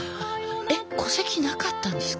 えっ戸籍なかったんですか？